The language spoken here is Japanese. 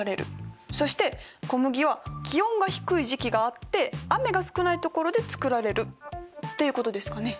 そして小麦は気温が低い時期があって雨が少ないところで作られるっていうことですかね。